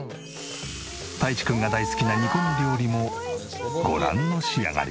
たいちくんが大好きな煮込み料理もご覧の仕上がり。